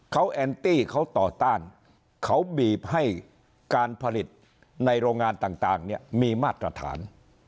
เขาแอนตี้เขาต่อต้านเขาบีบให้การผลิตในโรงงานต่างเนี่ยมีมาตรฐาน